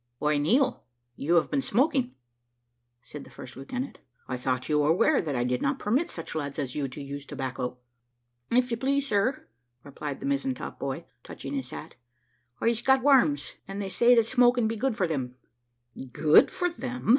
"Why, Neill, you have been smoking," said the first lieutenant. "I thought you were aware that I did not permit such lads as you to use tobacco." "If you please, sir," replied the mizen top boy, touching his hat, "I'se got worms, and they say that smoking be good for them." "Good for them!"